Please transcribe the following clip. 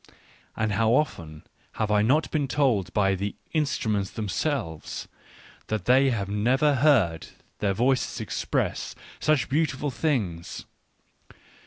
And how often have I not been told by the " instruments " themselves, that they had never before heard their voices express such beautiful things.